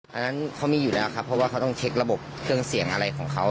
อันนั้นเขามีอยู่แล้วครับเพราะว่าเขาต้องเช็คระบบเครื่องเสียงอะไรของเขา